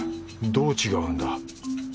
どう違うんだ？